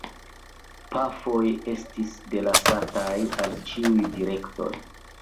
Pafoj estis delasataj al ĉiuj direktoj.